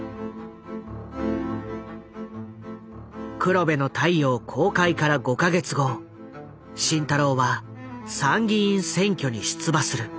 「黒部の太陽」公開から５か月後慎太郎は参議院選挙に出馬する。